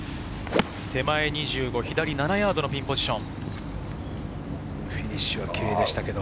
手前２５、左７ヤードのピンポジション。